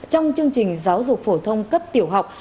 trong chương trình giáo dục phổ thông cấp tiểu học